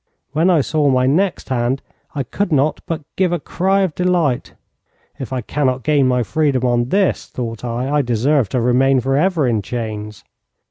When I saw my next hand I could not but give a cry of delight. 'If I cannot gain my freedom on this,' thought I, 'I deserve to remain for ever in chains.'